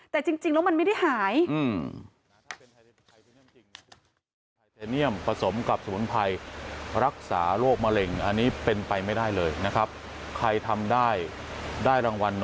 แต่จริงแล้วมันไม่ได้หาย